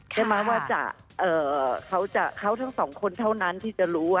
ใช่ไหมว่าเขาทั้งสองคนเท่านั้นที่จะรู้